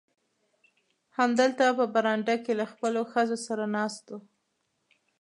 همدلته په برنډه کې له خپلو ښځو سره ناست و.